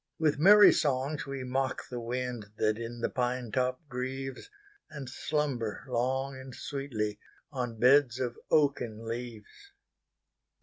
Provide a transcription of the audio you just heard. With merry songs we mock the windThat in the pine top grieves, And slumber long and sweetlyOn beds of oaken leaves.